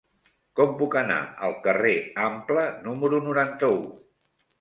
Com puc anar al carrer Ample número noranta-u?